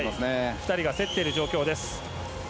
２人が競っている状況。